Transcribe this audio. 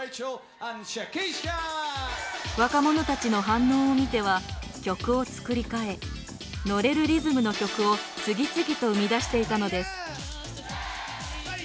若者たちの反応を見ては曲を作り替えノレるリズムの曲を次々と生み出していたのです。